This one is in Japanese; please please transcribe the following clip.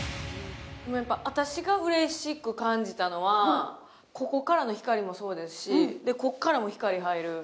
私がうれしく感じたのはここからの光もそうですしここからも光が入る。